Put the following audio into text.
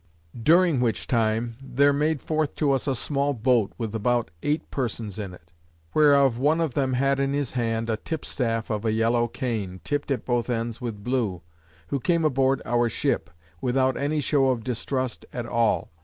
During which time, there made forth to us a small boat, with about eight persons in it; whereof one of them had in his hand a tipstaff of a yellow cane, tipped at both ends with blue, who came aboard our ship, without any show of distrust at all.